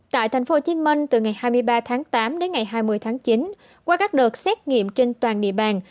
tại tp hcm từ ngày hai mươi ba tháng tám đến ngày hai mươi tháng chín qua các đợt xét nghiệm trên toàn địa bàn